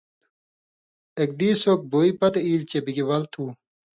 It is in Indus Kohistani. اک دیس اوک بوئے پتہۡ ایلیۡ چے بگ ول تُھو۔